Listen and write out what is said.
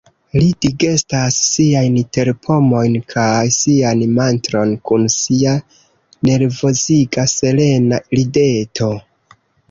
Li digestas siajn terpomojn kaj sian mantron kun sia nervoziga serena rideto.